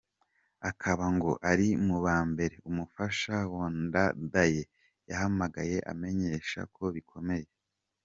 Akaba ngo ari mu ba mbere umufasha wa Ndadaye yahamagaye amumenyesha ko bikomeye.